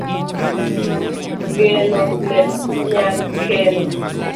geno lep nyakeno